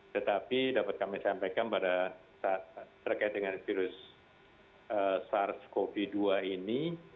tetapi dapat kami sampaikan pada saat terkait dengan virus sars cov dua ini